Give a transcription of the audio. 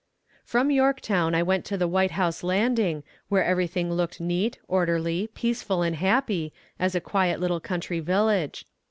From Yorktown I went to the White House Landing, where everything looked neat, orderly, peaceful and happy, as a quiet little country village.